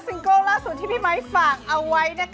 ซิงโกลล่าสุดที่พี่ไหมฝากเอาไว้นะคะ